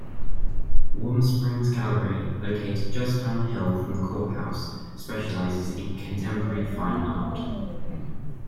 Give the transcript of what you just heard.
Warm Springs Gallery, located just downhill from the courthouse, specializes in contemporary fine art.